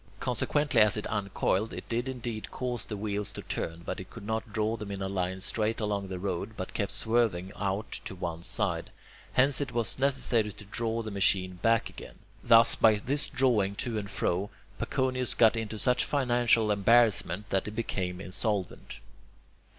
Consequently as it uncoiled, it did indeed cause the wheels to turn, but it could not draw them in a line straight along the road, but kept swerving out to one side. Hence it was necessary to draw the machine back again. Thus, by this drawing to and fro, Paconius got into such financial embarrassment that he became insolvent. 15.